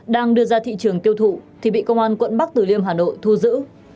đang đưa ra thị trường tiêu thụ thì bị công an quận bắc tử liêm hà nội thu giữ